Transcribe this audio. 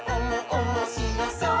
おもしろそう！」